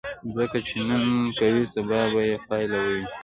څه چې نن کوې، سبا به یې پایله ووینې.